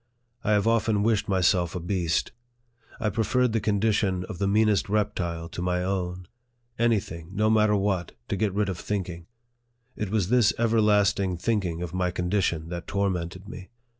I have often wished myself a beast. I preferred the condition of the meanest reptile to my own. Any thing, no matter what, to get rid of think ing ! It was this everlasting thinking of my condition that tormented me.